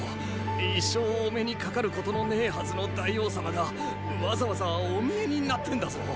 一生お目にかかることのねェはずの大王様がわざわざお見えになってんだぞ。